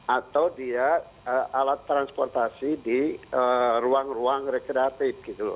atau dia alat transportasi di ruang ruang rekreasi gitu